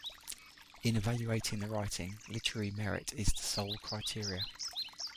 In evaluating the writing, literary merit is the sole criteria.